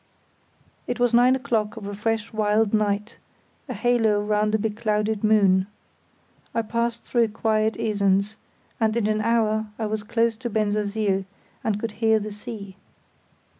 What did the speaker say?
It was nine o'clock of a fresh wild night, a halo round the beclouded moon. I passed through quiet Esens, and in an hour I was close to Bensersiel, and could hear the sea.